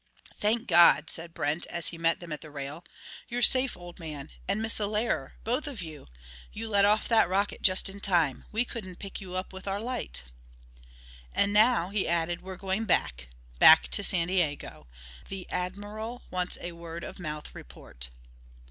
"Thank God!" said Brent, as he met them at the rail. "You're safe, old man ... and Miss Allaire ... both of you! You let off that rocket just in time; we couldn't pick you up with our light "And now," he added, "we're going back; back to San Diego. The Admiral wants a word of mouth report."